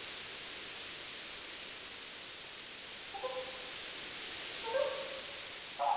另外在一盘添上牛至香精的水中摆上银元和莲子。